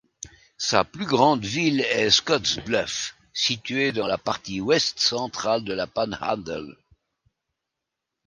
Sa plus grande ville est Scottsbluff, située dans la partie ouest-centrale de la panhandle.